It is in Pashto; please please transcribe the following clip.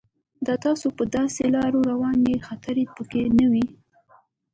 دا تاسو په داسې لار روانوي چې خطر پکې نه وي.